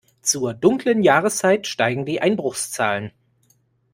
Zur dunklen Jahreszeit steigen die Einbruchszahlen.